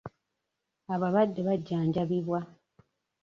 Abalwadde bajjanjabibwa.